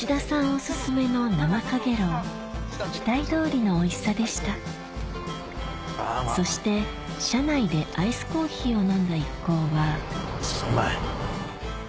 お薦めの生かげろう期待どおりのおいしさでしたそして車内でアイスコーヒーを飲んだ一行はうまい。